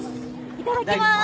いただきます！